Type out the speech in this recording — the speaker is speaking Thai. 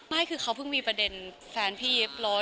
เปล่าคือเขาเหมือนมีประเทนแฟนพี่ยิปรถ